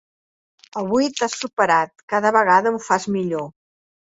Avui t'has superat: cada vegada ho fas millor.